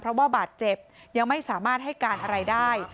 เพราะว่าบาดเจ็บยังไม่สามารถให้การอะไรได้